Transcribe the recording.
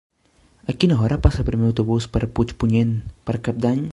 A quina hora passa el primer autobús per Puigpunyent per Cap d'Any?